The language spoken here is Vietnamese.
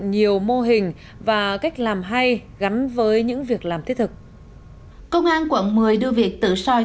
nhiều mô hình và cách làm hay gắn với những việc làm thiết thực công an quận một mươi đưa việc tự soi